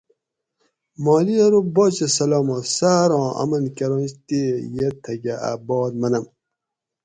مالی ارو باچہ سلامت ساۤراں امن کرنش تی یہ تھکہ اۤ بات منم